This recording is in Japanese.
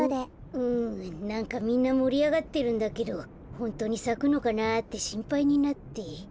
うんなんかみんなもりあがってるんだけど「ホントにさくのかなあ」ってしんぱいになって。